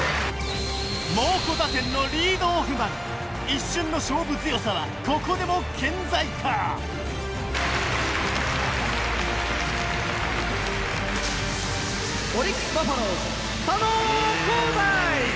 猛虎打線のリードオフマン一瞬の勝負強さはここでも健在かオリックス・バファローズ佐野皓大！